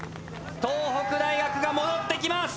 東北大学が戻ってきます。